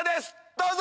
どうぞ！